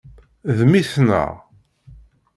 D mmi-tneɣ.